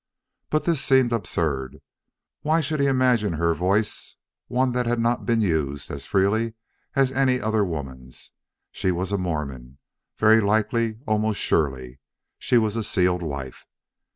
But this seemed absurd. Why should he imagine her voice one that had not been used as freely as any other woman's? She was a Mormon; very likely, almost surely, she was a sealed wife.